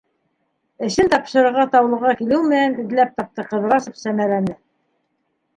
Эшен тапшырырға Таулыға килеү менән эҙләп тапты Ҡыҙрасов Сәмәрәне.